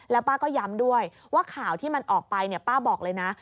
แล้วป้าก็ย้ำด้วยว่าข่าวที่มันออกไปป้าบอกเลยนะ